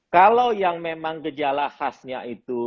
kalau yang memang gejala khasnya itu